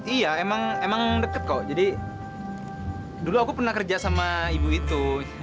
iya emang deket kok jadi dulu aku pernah kerja sama ibu itu